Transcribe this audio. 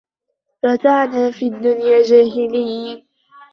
رَتَعْنَا فِي الدُّنْيَا جَاهِلِينَ